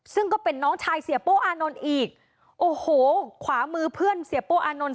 ซึ่งก็เป็นน้องชายเสียโป้อานนท์อีกโอ้โหขวามือเพื่อนเสียโป้อานนท์